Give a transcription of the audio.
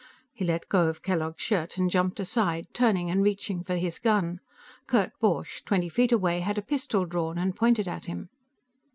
He let go of Kellogg's shirt and jumped aside, turning and reaching for his gun. Kurt Borch, twenty feet away, had a pistol drawn and pointed at him.